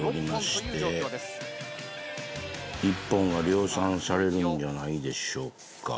一本が量産されるんじゃないでしょうか。